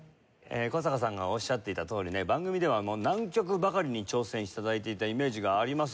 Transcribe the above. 古坂さんがおっしゃっていたとおりね番組では難曲ばかりに挑戦して頂いていたイメージがあります。